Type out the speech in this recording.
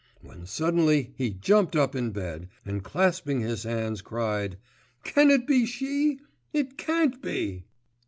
When suddenly he jumped up in bed, and clasping his hands, cried, 'Can it be she? it can't be!